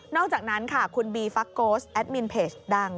อกจากนั้นค่ะคุณบีฟักโกสแอดมินเพจดัง